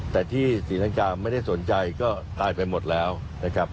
แต่ที่ศรีลังกาไม่ได้สนใจก็ตายไปหมดแล้วนะครับ